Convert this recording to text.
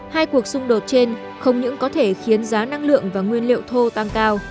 hai cuộc xung đột trên không những có thể khiến giá năng lượng và nguyên liệu thô tăng cao